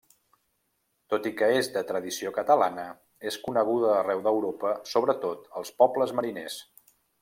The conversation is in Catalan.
Tot i que és de tradició catalana és coneguda arreu d'Europa, sobretot als pobles mariners.